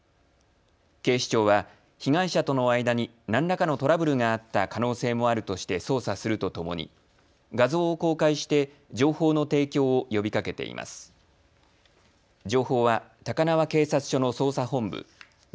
警視庁は被害者との間に何らかのトラブルがあった可能性もあるとして捜査するとともに画像を公開して、情報の提供を呼びかけています。